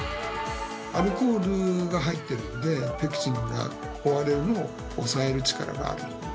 アルコールが入ってるのでペクチンが壊れるのを抑える力があるんですね。